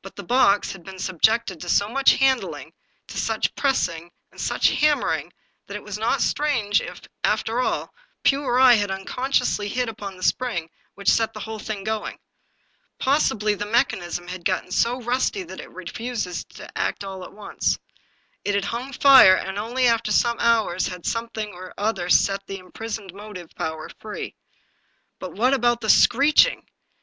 But the box had been sub jected to so much handling, to such pressing and such hammering, that it was not strange if, after all, Pugh or I had unconsciously hit upon the spring which set the whole thing going. Possibly the mechanism had got so rusty that it had refused to act at once. It had hung fire, and only after some hours had something or other set the imprisoned motive power free. But what about the screeching?